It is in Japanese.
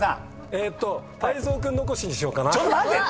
えーっと泰造君残しにしようかな。